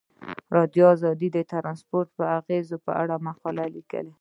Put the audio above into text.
ازادي راډیو د ترانسپورټ د اغیزو په اړه مقالو لیکلي.